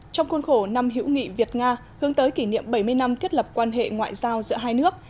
trong khuôn khổ năm hữu nghị việt nga hướng tới kỷ niệm bảy mươi năm thiết lập quan hệ ngoại giao giữa hai nước